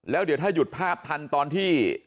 แล้วเดี๋ยวถ้าหยุดภาพทันตอนที่